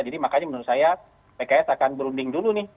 jadi makanya menurut saya pks akan berunding dulu nih